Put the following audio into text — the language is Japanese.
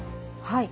はい。